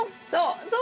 そう。